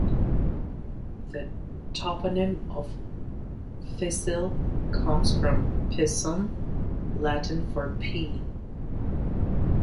The toponym of Pishill comes from "pisum", Latin for pea.